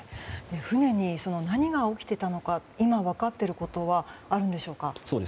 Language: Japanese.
船に何が起きていたのか今、分かっていることはあるでしょうか。